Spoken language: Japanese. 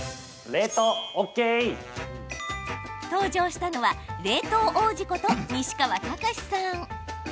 登場したのは冷凍王子こと西川剛史さん。